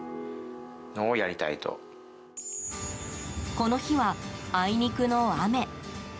この日は、あいにくの雨。